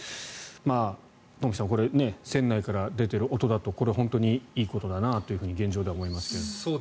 東輝さん船内から出ている音だとすればいいことだなと現状では思いますが。